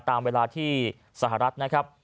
ตามเวลาที่สหรัฐนะครับ